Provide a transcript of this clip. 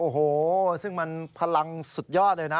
โอ้โหซึ่งมันพลังสุดยอดเลยนะ